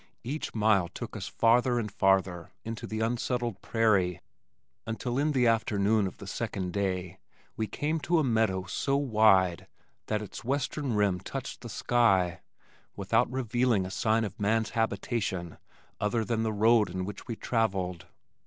Each mile took us farther and farther into the unsettled prairie until in the afternoon of the second day, we came to a meadow so wide that its western rim touched the sky without revealing a sign of man's habitation other than the road in which we travelled.